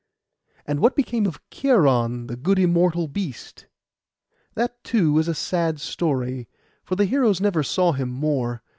And what became of Cheiron, the good immortal beast? That, too, is a sad story; for the heroes never saw him more.